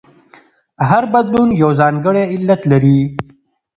هر بدلون یو ځانګړی علت لري.